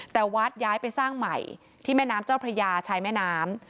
แต่วัดย้ายไปสร้างใหม่ที่แม่น้ำเจ้าพระยาชายแม่น้ำ